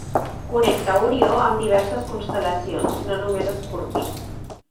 Connecta Orió amb diverses constel·lacions, no només Escorpí.